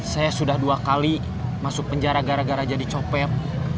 saya sudah dua kali masuk penjara gara gara jadi copet